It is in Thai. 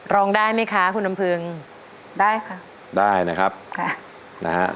ร้องได้ไหมคะคุณลำพึงได้ค่ะได้นะครับค่ะนะฮะ